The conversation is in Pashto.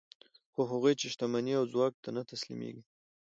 خو هغوی چې شتمنۍ او ځواک ته نه تسلیمېږي